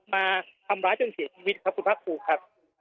มาทำร้ายจนเสียชีวิตครับคุณภาคภูมิครับ